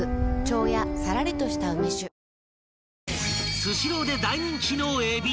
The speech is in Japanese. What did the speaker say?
［スシローで大人気のえび。